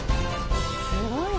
すごい！